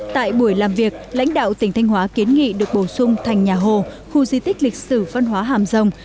tại buổi làm việc lãnh đạo tỉnh thanh hóa kiến nghị được bổ sung thành nhà hồ khu di tích lịch sử văn hóa hàm rồng